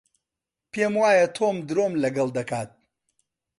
پێم وایە تۆم درۆم لەگەڵ دەکات.